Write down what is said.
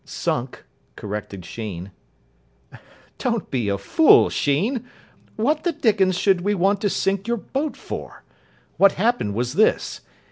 "Sunk," corrected Sheen. "Don't be a fool, Sheen. What the dickens should we want to sink your boat for? What happened was this.